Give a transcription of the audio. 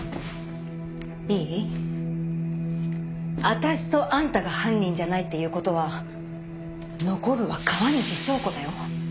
私とあんたが犯人じゃないっていう事は残るは川西祥子だよ。